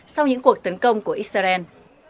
sau những cuộc tấn công của israel